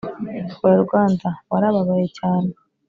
hora rwanda warababaye cyane